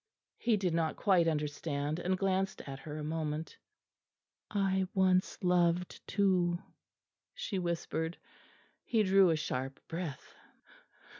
He did not quite understand, and glanced at her a moment. "I once loved too," she whispered. He drew a sharp breath.